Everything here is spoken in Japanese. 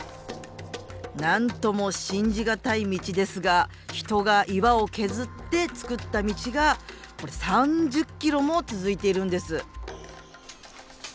何とも信じがたい道ですが人が岩を削って作った道がこれ３０ｋｍも続いているんです。